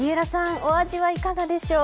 お味はいかがでしょう。